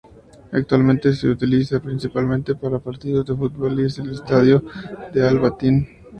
Actualmente se utiliza principalmente para partidos de fútbol y es el estadio de Al-Batin.